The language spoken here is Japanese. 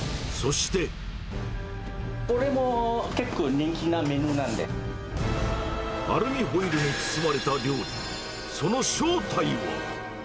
これも結構、人気なメニューアルミホイルに包まれた料理、その正体は。